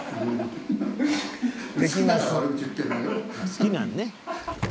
好きなのね。